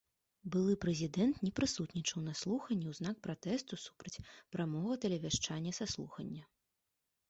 Былы прэзідэнт не прысутнічаў на слуханні ў знак пратэсту супраць прамога тэлевяшчання са слухання.